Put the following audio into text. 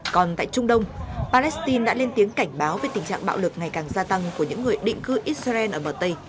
còn tại trung đông palestine đã lên tiếng cảnh báo về tình trạng bạo lực ngày càng gia tăng của những người định cư israel ở bờ tây